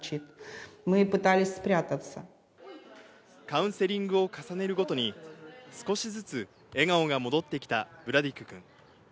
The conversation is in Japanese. カウンセリングを重ねるごとに、少しずつ笑顔が戻ってきたブラディクくん。